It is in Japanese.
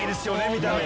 見た目。